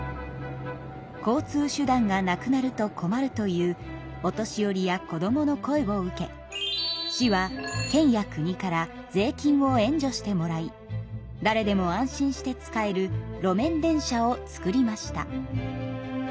交通手段がなくなると困るというお年寄りや子どもの声を受け市は県や国から税金を援助してもらいだれでも安心して使える路面電車を作りました。